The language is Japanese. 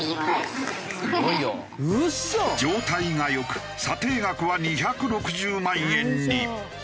状態が良く査定額は２６０万円に。